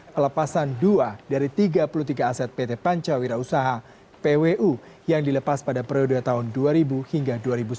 pelepasan dua dari tiga puluh tiga aset pt pancawira usaha pwu yang dilepas pada periode tahun dua ribu hingga dua ribu sepuluh